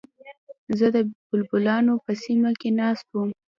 زه د بلبلانو په سیمه کې ناست وم.